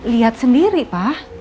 lihat sendiri pa